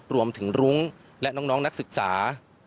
รวมถึงรุ้งและน้องนักศึกษา